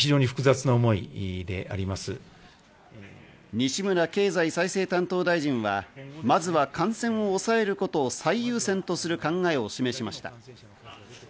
西村経済再生担当大臣はまずは感染を抑えることを最優先とする考えを示しました。